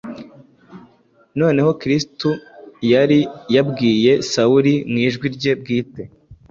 Noneho Kristo yari yabwiye Sawuli mu ijwi rye bwite